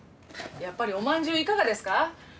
やっぱりおまんじゅういかがですか？